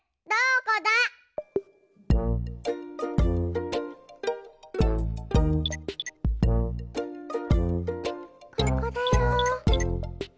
ここだよ。